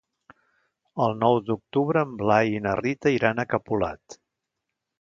El nou d'octubre en Blai i na Rita iran a Capolat.